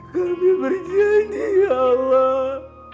kami berjanji ya allah